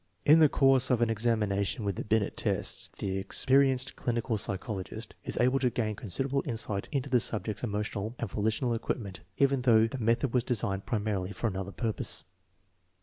In the course of an examination with the Binet tests, the experienced clinical psychologist is able to gain considerable insight into the subject's emotional and voli tional equipment, even though the method was designed primarily for another purpose.